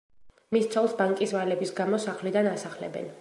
მის ცოლს ბანკის ვალების გამო სახლიდან ასახლებენ.